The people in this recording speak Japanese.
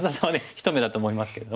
ひと目だと思いますけれども。